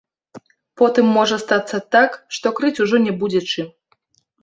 Потым можа стацца так, што крыць ужо не будзе чым.